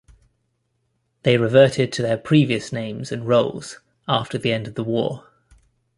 They reverted to their previous names and roles after the end of the war.